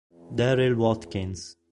Darryl Watkins